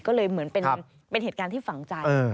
ก็เลยเหมือนเป็นเหตุการณ์ที่ฝังใจ